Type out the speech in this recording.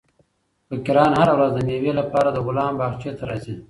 فقیران هره ورځ د مېوې لپاره د غلام باغچې ته راځي.